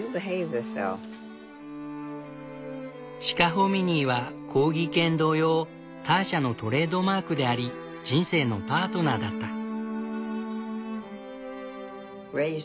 チカホミニーはコーギー犬同様ターシャのトレードマークであり人生のパートナーだった。